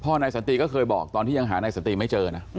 นายสันติก็เคยบอกตอนที่ยังหานายสันติไม่เจอนะ